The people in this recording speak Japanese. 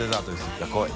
いや来い。